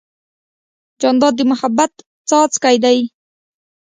جانداد د محبت څاڅکی دی.